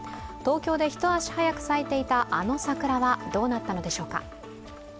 東京で一足早く咲いていた、あの桜はどうなったのでしょうか？